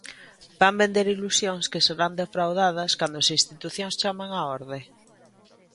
Van vender ilusións que serán defraudadas cando as Institucións chamen á orde?